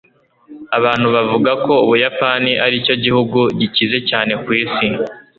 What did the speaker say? abantu bavuga ko ubuyapani aricyo gihugu gikize cyane ku isi